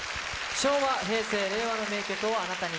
昭和・平成・令和の名曲をあなたに。